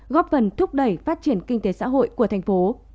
góp phần thúc đẩy phát triển kinh tế xã hội của thành phố